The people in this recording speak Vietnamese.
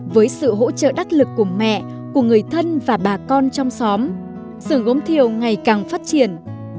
với sự hỗ trợ đắc lực của mẹ của người thân và bà con trong xóm sưởng gốm thiều ngày càng phát triển